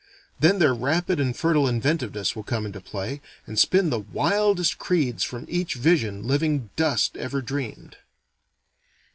Then their rapid and fertile inventiveness will come into play, and spin the wildest creeds from each vision living dust ever dreamed.